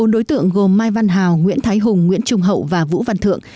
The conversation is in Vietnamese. bốn đối tượng gồm mai văn hào nguyễn thái hùng nguyễn trung hậu và vũ văn thượng